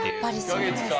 ２か月か。